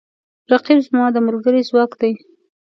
رقیب زما د فکر ځواک دی